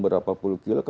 berapa puluh kilo